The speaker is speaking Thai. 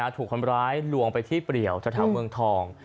ถูกคนร้ายลวงไปที่เปรียวแถวเมืองทอง